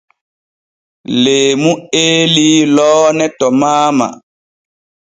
Leemu eelii loone to maama.